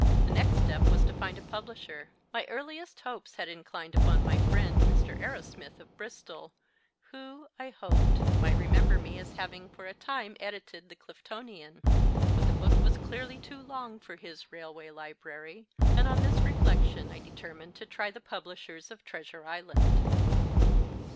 The next step was to find a publisher. My earliest hopes had inclined upon my friend, Mr. Arrowsmith, of Bristol, who (I hoped) might remember me as having for a time edited the Cliftonian ; but the book was clearly too long for his Railway Library/ and on this reflection I determined to try the publishers of * Treasure Island.